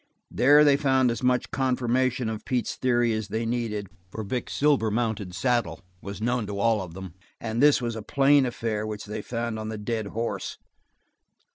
There they found as much confirmation of Pete's theory as they needed, for Vic's silver mounted saddle was known to all of them, and this was a plain affair which they found on the dead horse.